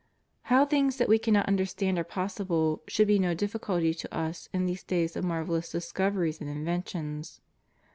How things that we cannot understand are possible, should be no difficulty to us in these days of marvellous discoveries and inventions.